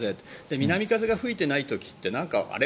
南風が吹いてない時ってあれ？